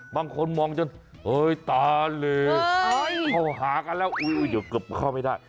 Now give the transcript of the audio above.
บางคนมองจนตาเลเข้าหากันแล้วเดี๋ยวเกือบเข้าไม่ได้